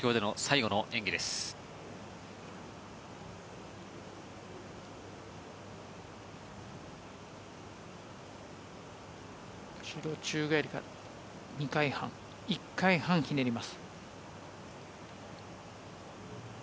後ろ宙返りから２回半１回半ひねります。